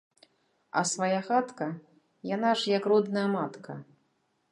А свая хатка яна ж як родная матка.